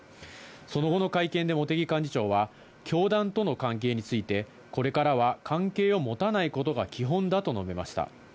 その後の会見で茂木幹事長は、教団との関係について、これからは関係を持たないことが基本だと述べました。